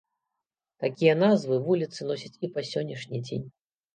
Такія назвы вуліцы носяць і па сённяшні дзень.